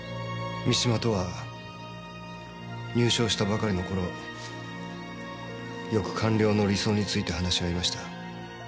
三島とは入省したばかりの頃よく官僚の理想について話し合いました。